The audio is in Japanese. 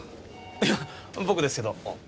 いや僕ですけど。